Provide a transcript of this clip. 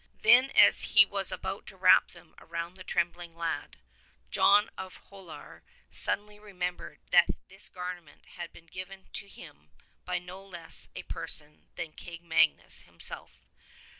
Then as he was about to wrap them round the trembling lad, 54 John of Holar suddenly remembered that this garment had been given to him by no less a person than King Magnus himself.